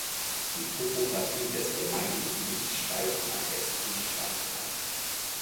Die Topographie des Gemeindegebiets steigt nach Westen stark an.